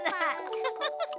フフフフ。